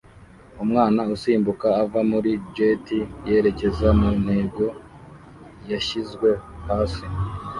Umwana usimbuka ava muri jet yerekeza ku ntego yashyizwe hasi